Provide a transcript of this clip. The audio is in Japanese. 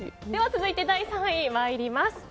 続いて第３位参ります。